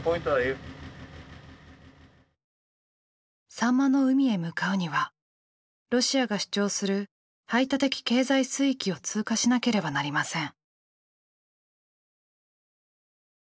サンマの海へ向かうにはロシアが主張する排他的経済水域を通過しなければなりません。